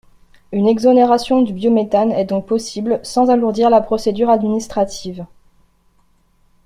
Une exonération du biométhane est donc possible sans alourdir la procédure administrative.